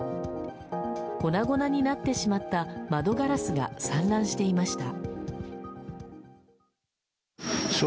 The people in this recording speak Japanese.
粉々になってしまった窓ガラスが散乱していました。